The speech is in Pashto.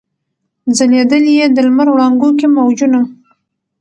ځلېدل یې د لمر وړانګو کي موجونه